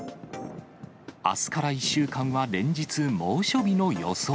あすから１週間は連日猛暑日の予想。